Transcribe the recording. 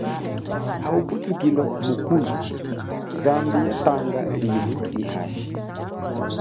Ha ubutukilo mukulu zambi yatanga lilu nyi hashi.